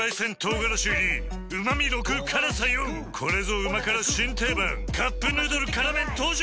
４これぞ旨辛新定番「カップヌードル辛麺」登場！